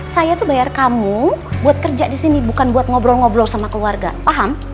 bapak bayar kamu buat kerja disini bukan buat ngobrol ngobrol sama keluarga paham